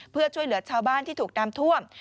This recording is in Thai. เพื่อช่วยเหลือชาวบ้านที่ถูกน้ำท่วม